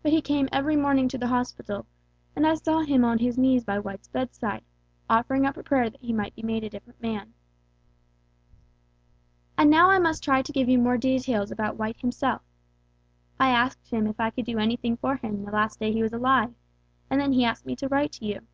But he came every morning to the hospital, and I saw him on his knees by White's bedside, offering up a prayer that he might be made a different man. "And now I must try to give you more details about White himself. I asked him if I could do anything for him the last day he was alive and then he asked me to write to you.